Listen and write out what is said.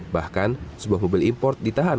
bahkan sebuah mobil import ditahan